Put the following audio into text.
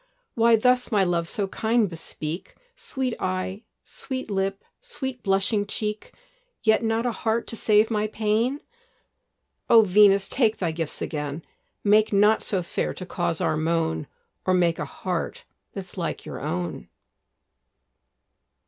Why thus, my love, so kind bespeak Sweet eye, sweet lip, sweet blushing cheek, Yet not a heart to save my pain? O Venus, take thy gifts again! Make not so fair to cause our moan, Or make a heart that's like your own.